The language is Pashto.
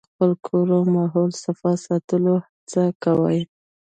د خپل کور او ماحول صفا ساتلو هڅې کوي.